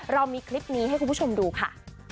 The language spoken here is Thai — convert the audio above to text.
เรามีคลิปนี้ให้คุณผู้ชมดูค่ะ